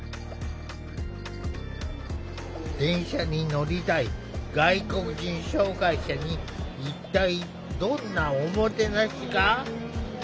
電車に乗りたい外国人障害者に一体どんな“おもてなし”が？